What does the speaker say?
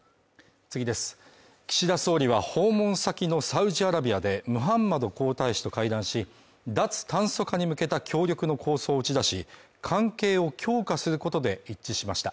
岸田総理は訪問先のサウジアラビアでムハンマド皇太子と会談し、脱炭素化に向けた協力の構想を打ち出し、関係を強化することで一致しました。